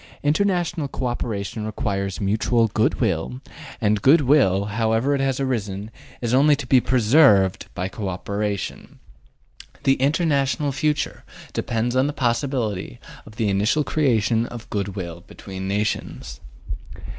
International co operation requires mutual good will, and good will, however it has arisen, is only to be PRESERVED by co operation. The international future depends upon the possibility of the initial creation of good will between nations.